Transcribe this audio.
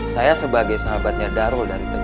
saya sebagai sahabatnya darul dari teguran